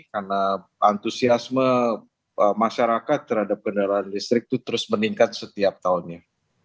karena antusiasme masyarakat terhadap kendaraan listrik itu terus meningkat setiap tahunnya